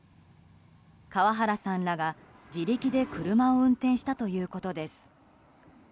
川原さんらが自力で車を運転したということです。